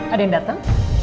ada yang datang